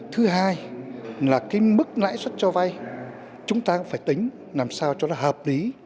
thứ hai là cái mức lãi suất cho vay chúng ta cũng phải tính làm sao cho nó hợp lý